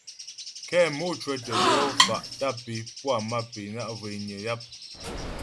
Kɛ mò cwə̌tə jɔ fa' tâp é puá mâp é na' zhwényə yap.